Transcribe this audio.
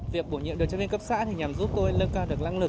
việc bổ nhiệm điều tra viên cấp xã nhằm giúp tôi nâng cao được lăng lực